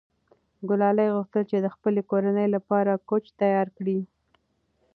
ګلالۍ غوښتل چې د خپلې کورنۍ لپاره کوچ تیار کړي.